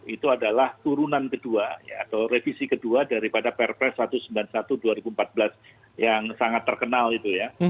itu adalah turunan kedua atau revisi kedua daripada perpres satu ratus sembilan puluh satu dua ribu empat belas yang sangat terkenal itu ya